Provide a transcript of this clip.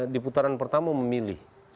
di putaran pertama memilih